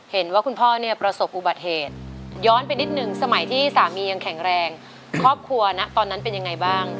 เห็นว่าคุณพ่อเนี่ยประสบอุบัติเหตุย้อนไปนิดนึงสมัยที่สามียังแข็งแรงครอบครัวนะตอนนั้นเป็นยังไงบ้าง